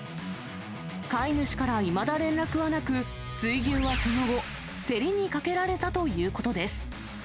飼い主からいまだ連絡はなく、水牛はその後、競りにかけられたということです。